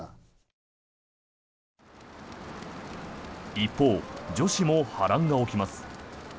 一方、女子も波乱が起きます。